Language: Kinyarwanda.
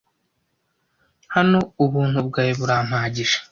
hano ubuntu bwawe burampagije